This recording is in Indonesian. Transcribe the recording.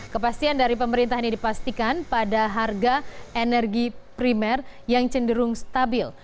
kepastian dari pemerintah ini dipastikan pada harga energi primer yang cenderung stabil